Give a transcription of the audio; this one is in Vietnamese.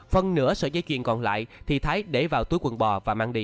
phần nửa sợi dây chuyền còn lại thì thái để vào túi quần bò và mang đi